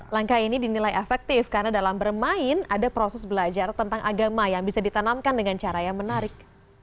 langkah ini dinilai efektif karena dalam bermain ada proses belajar tentang agama yang bisa ditanamkan dengan cara yang menarik